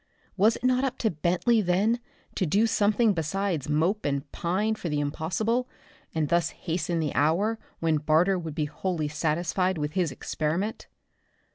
Was it not up to Bentley then to do something besides mope and pine for the impossible, and thus hasten the hour when Barter should be wholly satisfied with his experiment?